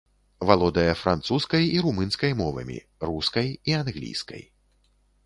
Валодае французскай і румынскай мовамі, рускай і англійскай.